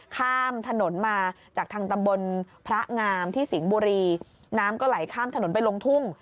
ข้ามถนนมาจากทางตำบลพระงามที่สิงห์บุรีน้ำก็ไหลข้ามถนนไปลงทุ่ง